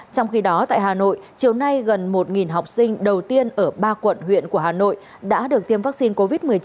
trong khi đó tại hà nội chiều nay gần một học sinh đầu tiên ở ba quận huyện của hà nội đã được tiêm vaccine covid một mươi chín